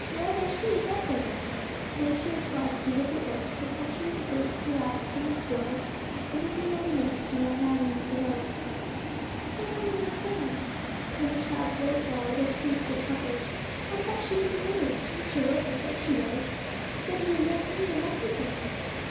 Well, there she is out there, Betty. Nature is God's beautiful earth: the country, the birds, the rabbits, and the squirrels everything that He makes and that man leaves alone.' 'I don't understand;' and the child's white brow was creased with puckers. 'I thought she was a woman: Mr. Roper said she was; he said he had learnt many a lesson from her.'